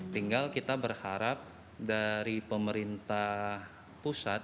tinggal kita berharap dari pemerintah pusat